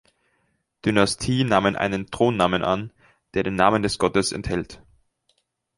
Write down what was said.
Dynastie nahmen einen Thronnamen an, der den Namen des Gottes enthält.